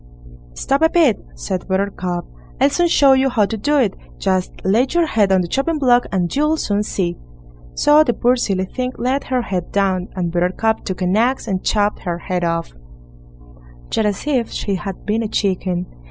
"Stop a bit", said Buttercup; "I'll soon show you how to do it; just lay your head on the chopping block, and you'll soon see." So the poor silly thing laid her head down, and Buttercup took an axe and chopped her head off, just as if she had been a chicken.